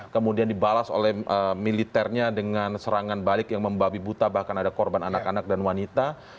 kemudian dibalas oleh militernya dengan serangan balik yang membabi buta bahkan ada korban anak anak dan wanita